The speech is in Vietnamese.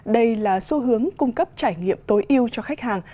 đây là xu hướng cung cấp trải nghiệm tối yêu cho khách hàng